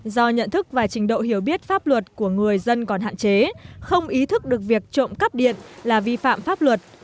do nhận thức và trình độ hiểu biết pháp luật của người dân còn hạn chế không ý thức được việc trộm cắp điện là vi phạm pháp luật